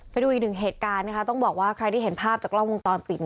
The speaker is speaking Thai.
ไปดูอีกหนึ่งเหตุการณ์นะคะต้องบอกว่าใครที่เห็นภาพจากกล้องวงจรปิด